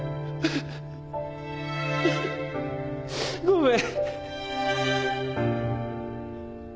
ごめん。